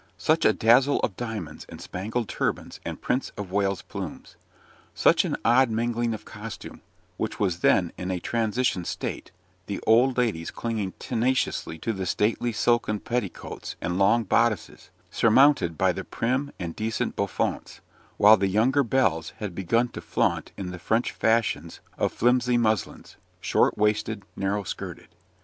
Such a dazzle of diamonds and spangled turbans and Prince of Wales' plumes. Such an odd mingling of costume, which was then in a transition state, the old ladies clinging tenaciously to the stately silken petticoats and long bodices, surmounted by the prim and decent bouffantes, while the younger belles had begun to flaunt in the French fashions of flimsy muslins, shortwaisted narrow skirted.